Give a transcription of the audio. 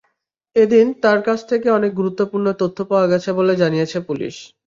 এদিন তাঁর কাছ থেকে অনেক গুরুত্বপূর্ণ তথ্য পাওয়া গেছে বলে জানিয়েছে পুলিশ।